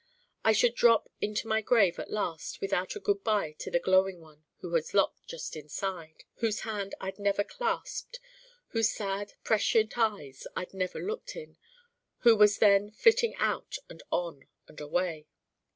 I should drop into my grave at last without a good by to the glowing one who was locked just inside, whose hand I'd never clasped, whose sad prescient eyes I'd never looked in, who was then flitting out and on and away.